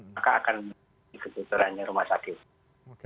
maka akan menjadi kebocorannya rumah sakit